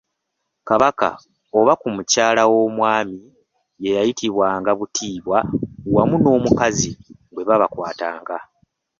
Kabaka oba ku mukyala w’omwami ye yattibwanga buttibwa wamu n’omukazi bwe baabakwatanga.